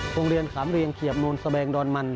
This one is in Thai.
โรงเรียนสามเรียงเขียบมูลสแวงดอนมัน